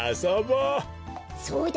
そうだ。